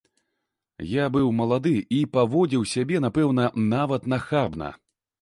Я быў малады і паводзіў сябе, напэўна, нават нахабна.